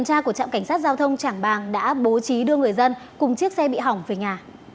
trang của trạm cảnh sát giao thông trảng bàng đã bố trí đưa người dân cùng chiếc xe bị hỏng về nhà